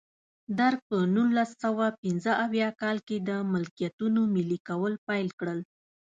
درګ په نولس سوه پنځه اویا کال کې د ملکیتونو ملي کول پیل کړل.